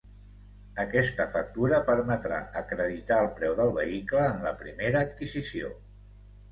Aquesta factura permetrà acreditar el preu del vehicle en la primera adquisició.